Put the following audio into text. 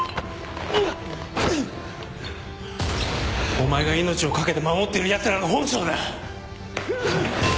お前が命を懸けて守ってるヤツらの本性だ。